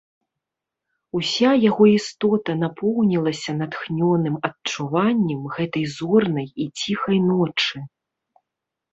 Уся яго істота напоўнілася натхнёным адчуваннем гэтай зорнай і ціхай ночы.